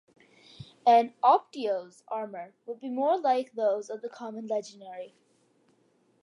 An "optio"'s armour would be more like those of the common legionary.